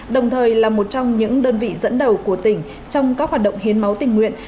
đồng thời là một trong những đơn vị dẫn đầu của tỉnh trong các hoạt động hiến máu tình nguyện